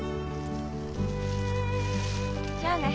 じゃあね。